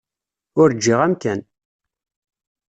Ur ǧǧiɣ amkan.